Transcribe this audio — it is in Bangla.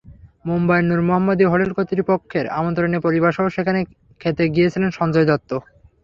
মুম্বাইয়ের নূর মোহাম্মাদি হোটেল কর্তৃপক্ষের আমন্ত্রণে পরিবারসহ সেখানে খেতে গিয়েছিলেন সঞ্জয় দত্ত।